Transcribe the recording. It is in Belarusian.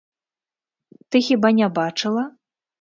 Ты хіба не бачыла?